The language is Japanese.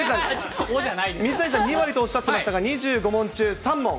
水谷さん、２割とおっしゃってましたが、２５問中３問。